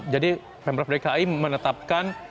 jadi pemerintah dki menetapkan